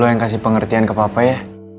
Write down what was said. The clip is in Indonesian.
yang kasih pengertian ke papa ya